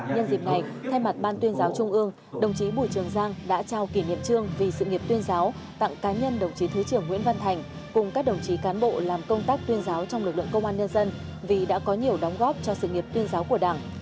nhân dịp này thay mặt ban tuyên giáo trung ương đồng chí bùi trường giang đã trao kỷ niệm trương vì sự nghiệp tuyên giáo tặng cá nhân đồng chí thứ trưởng nguyễn văn thành cùng các đồng chí cán bộ làm công tác tuyên giáo trong lực lượng công an nhân dân vì đã có nhiều đóng góp cho sự nghiệp tuyên giáo của đảng